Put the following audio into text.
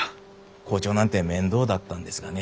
校長なんて面倒だったんですがね。